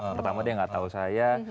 pertama dia nggak tahu saya